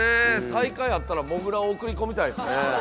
大会あったらもぐらを送り込みたいですね。